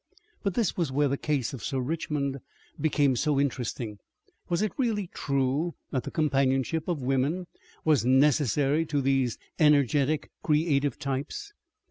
But this was where the case of Sir Richmond became so interesting. Was it really true that the companionship of women was necessary to these energetic creative types?